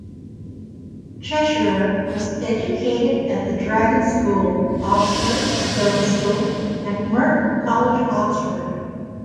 Cheshire was educated at the Dragon School, Oxford, Stowe School and Merton College, Oxford.